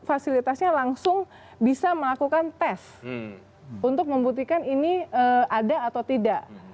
fasilitasnya langsung bisa melakukan tes untuk membuktikan ini ada atau tidak